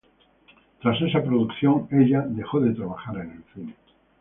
Tras esta producción, ella dejó de trabajar en el cine.